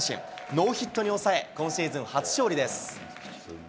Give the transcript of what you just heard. ノーヒットに抑え、今シーズン初勝利です。